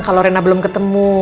kalau rena belum ketemu